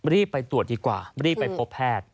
รีบไปตรวจดีกว่ารีบไปพบแพทย์